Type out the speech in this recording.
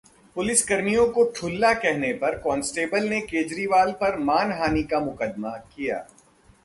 पुलिसकर्मियों को 'ठुल्ला' कहने पर कॉन्स्टेबल ने केजरीवाल पर मानहानि का मुकदमा किया